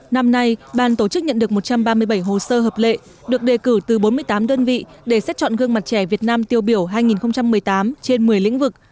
năm nay ban tổ chức nhận được một trăm ba mươi bảy hồ sơ hợp lệ được đề cử từ bốn mươi tám đơn vị để xét chọn gương mặt trẻ việt nam tiêu biểu hai nghìn một mươi tám trên một mươi lĩnh vực